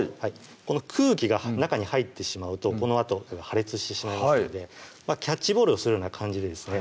この空気が中に入ってしまうとこのあと破裂してしまいますのでキャッチボールをするような感じでですね